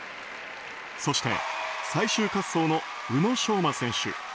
そして、最終滑走の宇野昌磨選手。